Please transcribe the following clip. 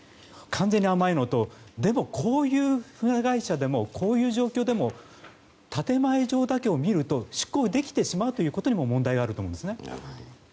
完全に甘いのとでも、こういう船会社でもこういう状況でも建前上だけを見ると出航できてしまうということにも問題があると思うんですね。